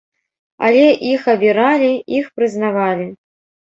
Але іх абіралі, іх прызнавалі.